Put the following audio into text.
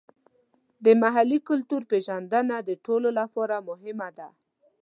د محلي کلتور پیژندنه د ټولو لپاره مهمه ده.